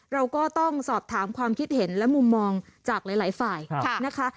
เราก็ต้องสอบถามความคิดเห็นและมุมมองจากหลายฝ่ายนะคะ